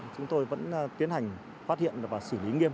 chúng tôi vẫn tiến hành phát hiện và xử lý nghiêm